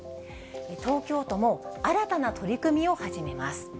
東京都も新たな取り組みを始めます。